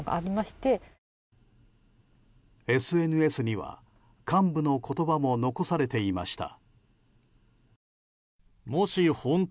ＳＮＳには幹部の言葉も残されていました。